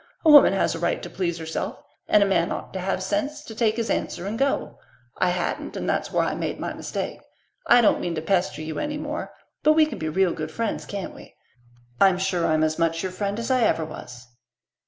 A woman has a right to please herself, and a man ought to have sense to take his answer and go. I hadn't, and that's where I made my mistake. I don't mean to pester you any more, but we can be real good friends, can't we? I'm sure I'm as much your friend as ever I was."